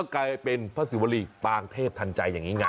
เพราะจึงพระศิวรีปางเทพทันใจอย่างนี้ไง